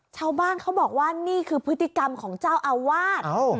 ชาวบ้านเขาบอกว่านี่คือพฤติกรรมของเจ้าอาวาส